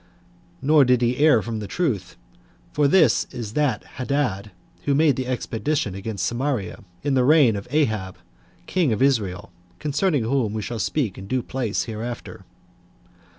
Nor did he err from the truth; for this is that Hadad who made the expedition against Samaria, in the reign of Ahab, king of Israel, concerning whom we shall speak in due place hereafter.